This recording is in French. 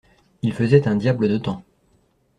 Il faisait un diable de temps.